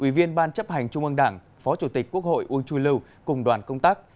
ủy viên ban chấp hành trung ương đảng phó chủ tịch quốc hội uông chui lưu cùng đoàn công tác